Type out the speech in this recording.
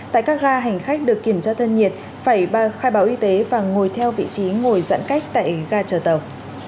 tại các ga hành khách được kiểm tra thân nhiệt phải khai báo y tế và ngồi theo vị trí ngồi giãn cách tại ga trở tàu